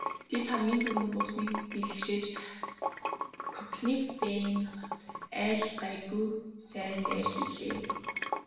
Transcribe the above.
Тэд хамгийн түрүүнд буусныг бэлэгшээж Конекбайн хот айл гайгүй сайн найр хийлээ.